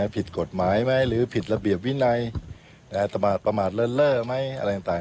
ผิดกฎหมายไหมหรือผิดระเบียบวินัยประมาทเลินเล่อไหมอะไรต่าง